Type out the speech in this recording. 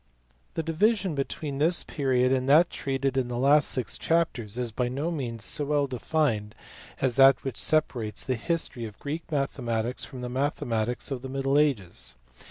THE division between this period and that treated in the last six chapters is by no means so well defined as that which separates the history of Greek mathematics from the mathe matics of the middle agea.